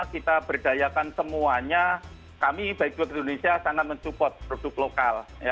kita berdayakan semuanya kami bike tour indonesia sangat men support produk lokal